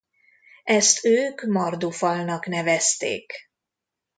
Ezt ők Mardu-fal-nak nevezték.